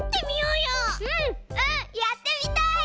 うんやってみたい！